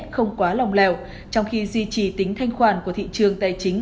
không quá lòng lèo trong khi duy trì tính thanh khoản của thị trường tài chính